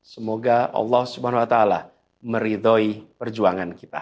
semoga allah subhanahu wa ta ala meridhoi perjuangan kita